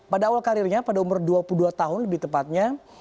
pada awal karirnya pada umur dua puluh dua tahun lebih tepatnya